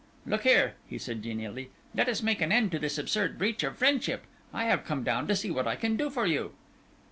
"Look here," he said, genially, "let us make an end to this absurd breach of friendship. I have come down to see what I can do for you."